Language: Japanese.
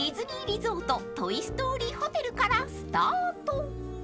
リゾート・トイ・ストーリーホテルからスタート］